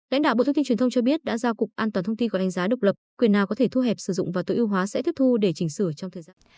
lãnh đạo bộ thông tin truyền thông cho biết đã giao cục an toàn thông tin có đánh giá độc lập quyền nào có thể thu hẹp sử dụng và tối ưu hóa sẽ tiếp thu để chỉnh sửa trong thời gian